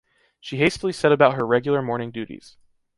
She hastily set about her regular morning duties.